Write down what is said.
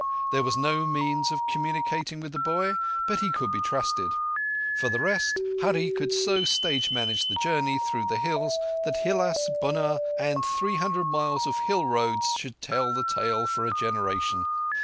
There was no means of communicating with the boy, but he could be trusted. For the rest, Hurree could so stage manage the journey through the hills that Hilás, Bunár, and four hundred miles of hill roads should tell the tale for a generation.